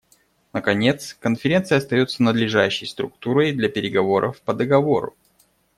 Наконец, Конференция остается надлежащей структурой для переговоров по договору.